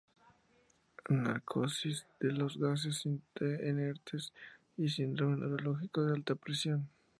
Narcosis de los gases inertes y síndrome neurológico de alta presión.